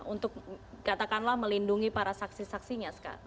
untuk katakanlah melindungi para saksi saksinya sekarang